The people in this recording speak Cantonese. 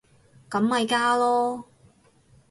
咁咪加囉